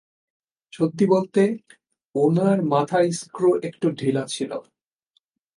সত্যি বলতে, উনার মাথার স্ক্রু একটু ঢিলা ছিল।